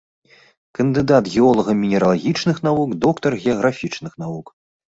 Кандыдат геолага-мінералагічных навук, доктар геаграфічных навук.